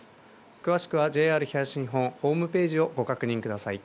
詳しくはＪＲ東日本ホームページをご確認ください。